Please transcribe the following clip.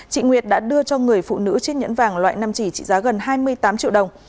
chị nguyệt đã đưa cho người phụ nữ chiếc nhẫn vàng loại năm chỉ trị giá gần hai mươi tám triệu đồng